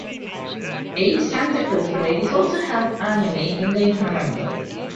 A Santa Claus Parade is also held annually in late November.